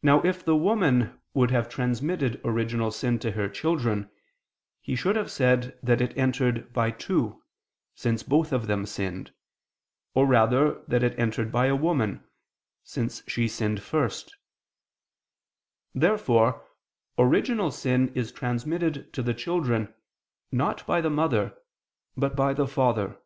Now if the woman would have transmitted original sin to her children, he should have said that it entered by two, since both of them sinned, or rather that it entered by a woman, since she sinned first. Therefore original sin is transmitted to the children, not by the mother, but by the father.